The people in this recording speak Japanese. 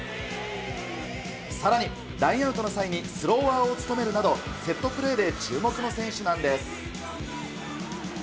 さらに、ラインアウトの際に、スローワーを務めるなど、セットプレーで注目の選手なんです。